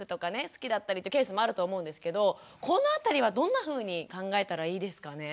好きだったりってケースもあると思うんですけどこの辺りはどんなふうに考えたらいいですかね？